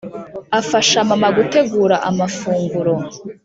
afasha mama gutegura amafunguro